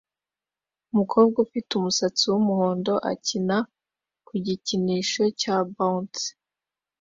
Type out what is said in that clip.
Umukobwa ufite umusatsi wumuhondo akina ku gikinisho cya bouncy